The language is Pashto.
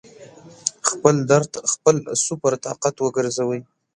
خپل درد خپل سُوپر طاقت وګرځوئ